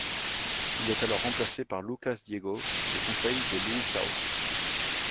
Il est alors remplacé par Lucas Diego, sous les conseils de Luisao.